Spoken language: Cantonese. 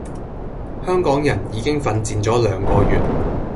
香港人已經奮戰咗兩個月